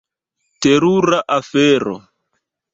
Terura afero.